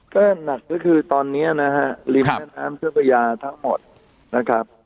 ก็หนักก็คือตอนนี้นะฮะริมแม่น้ำเจ้าพระยาทั้งหมดนะครับ